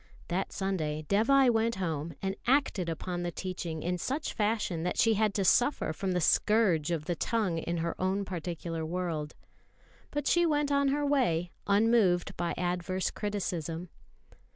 That Sunday Dévai went home and acted upon the teaching in such fashion that she had to suffer from the scourge of the tongue in her own particular world. But she went on her way, unmoved by adverse criticism.